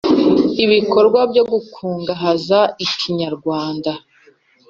Ibikorwa byo gukungahaza Ikinyarwanda